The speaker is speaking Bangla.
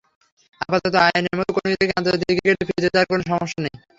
আপাতত আইনের মধ্যে কনুই রেখে আন্তর্জাতিক ক্রিকেটে ফিরতে তাঁর কোনো সমস্যা নেই।